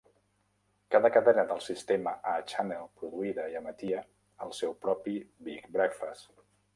Cada cadena del sistema A-Channel produïda i emetia el seu propi "Big Breakfast".